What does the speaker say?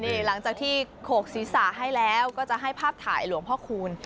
นี่หลังจากที่โขกศีรษะให้แล้วก็จะให้ภาพถ่ายหลวงพ่อคูณ